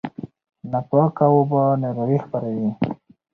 ناپاکه اوبه ناروغي خپروي.